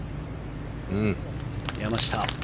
山下